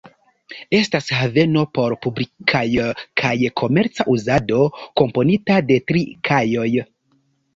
Estas haveno por publikaj kaj komerca uzado, komponita de tri kajoj.